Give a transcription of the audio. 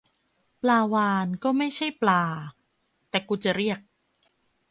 ปลาวาฬก็ไม่ใช่ปลา แต่กูจะเรียก